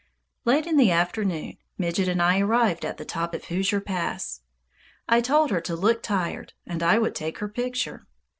Late in the afternoon, Midget and I arrived at the top of Hoosier Pass. I told her to look tired and I would take her picture.